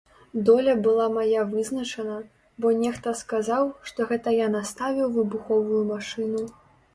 Доля была мая вызначана, бо нехта сказаў, што гэта я наставіў выбуховую машыну.